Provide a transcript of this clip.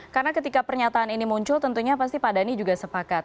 karena ketika pernyataan ini muncul tentunya pasti pak dhani juga sepakat